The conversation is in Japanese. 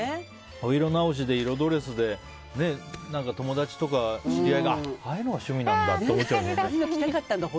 お色直しで色ドレスで友達とか知り合いがああいうのが趣味なんだって思っちゃいますよね。